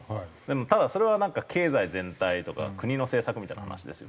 でもただそれはなんか経済全体とか国の政策みたいな話ですよね。